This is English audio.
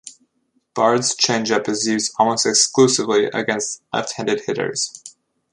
Bard's changeup is used almost exclusively against left-handed hitters.